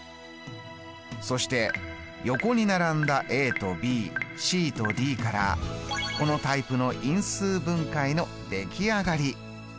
そして横に並んだとｂｃとｄからこのタイプの因数分解の出来上がり。